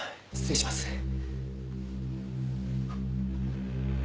失礼します。